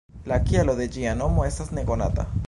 La kialo de ĝia nomo estas nekonata...